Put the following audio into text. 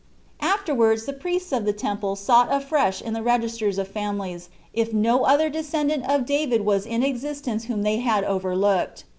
Afterwards the priests of the Temple sought afresh in the registers of families if no other descendant of David was in existence whom they had overlooked.